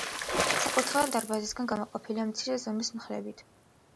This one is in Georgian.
საკურთხეველი დარბაზისგან გამოყოფილია მცირე ზომის მხრებით.